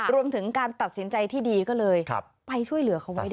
รวมถึงการตัดสินใจที่ดีก็เลยไปช่วยเหลือเขาไว้ด้วย